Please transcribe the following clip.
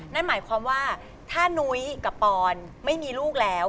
นั่นหมายความว่าถ้านุ้ยกับปอนไม่มีลูกแล้ว